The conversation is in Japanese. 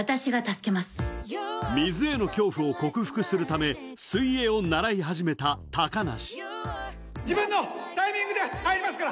水への恐怖を克服するため水泳を習い始めた高梨。